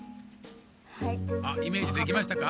はい。あっイメージできましたか？